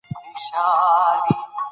ځینې نجونې خپل نوم بدلوي.